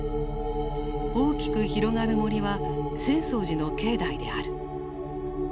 大きく広がる森は浅草寺の境内である。